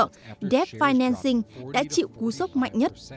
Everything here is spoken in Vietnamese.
sau đó debt financing đã chịu cú sốc mạnh nhất